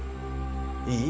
いい？